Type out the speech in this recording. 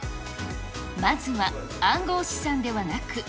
まずは、暗号資産ではなく、